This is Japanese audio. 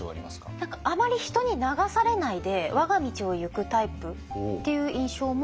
何かあまり人に流されないで我が道を行くタイプっていう印象もありますね。